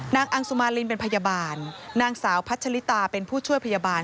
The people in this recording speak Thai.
อังสุมารินเป็นพยาบาลนางสาวพัชลิตาเป็นผู้ช่วยพยาบาล